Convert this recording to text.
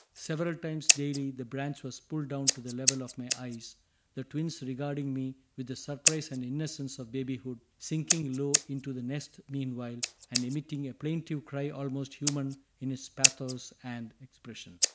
Several times daily the branch was pulled down to the level of my eyes, the twins regarding me with the surprise and innocence of babyhood, sinking low into the nest meanwhile, and emitting a plaintive cry almost human in its pathos and expression.